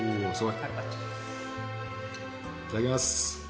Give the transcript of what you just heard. いただきます。